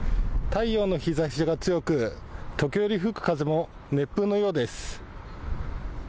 太陽の日ざしが強く時折吹く風も熱風のようです。